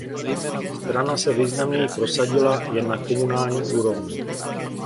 Strana se významněji prosadila jen na komunální úrovni.